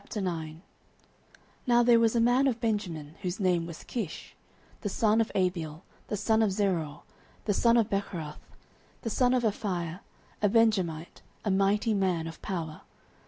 09:009:001 Now there was a man of Benjamin, whose name was Kish, the son of Abiel, the son of Zeror, the son of Bechorath, the son of Aphiah, a Benjamite, a mighty man of power.